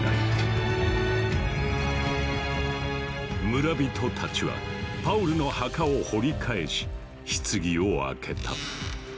村人たちはパウルの墓を掘り返し棺を開けた。